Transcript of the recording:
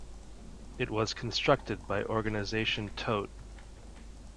It was constructed by Organisation Todt.